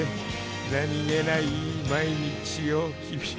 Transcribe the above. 何気ない毎日を君